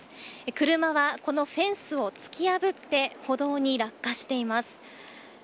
車は、このフェンスを突き破って歩道に落下しています。